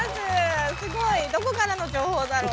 すごいどこからの情報だろう？